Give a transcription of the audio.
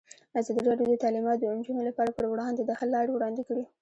ازادي راډیو د تعلیمات د نجونو لپاره پر وړاندې د حل لارې وړاندې کړي.